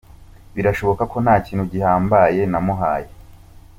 Birashoboka ko nta kintu gihambaye namuhaye.